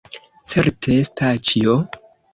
Certe, Staĉjo?